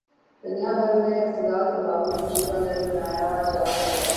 دنیا بھر میں انسداد تمباکو نوشی کا دن منایا جارہاہے